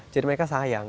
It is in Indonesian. jadi mereka sayang